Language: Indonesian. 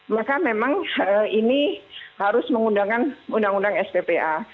maka memang ini harus mengundangkan undang undang sppa